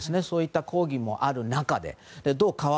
そういった抗議もある中で。